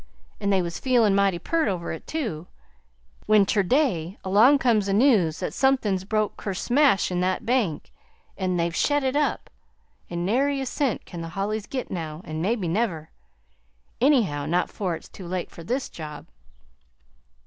An' they was feelin' mighty pert over it, too, when ter day along comes the news that somethin's broke kersmash in that bank, an' they've shet it up. An' nary a cent can the Hollys git now an' maybe never. Anyhow, not 'fore it's too late for this job."